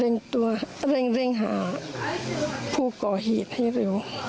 เร่งตัวเร่งหาผู้ก่อหีดให้เร็ว